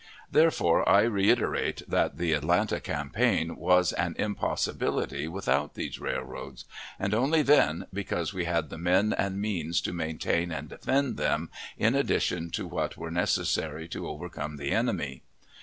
Therefore, I reiterate that the Atlanta campaign was an impossibility without these railroads; and only then, because we had the men and means to maintain and defend them, in addition to what were necessary to overcome the enemy.